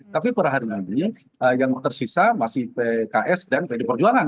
tapi perharian ini yang tersisa masih pks dan pdi perjuangan